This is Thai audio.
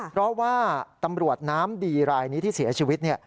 เพราะว่าตำรวจน้ำดีรายนี้ที่เสียชีวิต